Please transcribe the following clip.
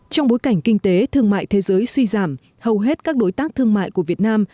trong bối cảnh kinh tế thương mại thế giới suy giảm hầu hết các đối tác thương mại của việt nam